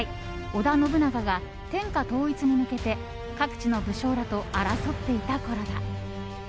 織田信長が天下統一に向けて各地の武将らと争っていたころだ。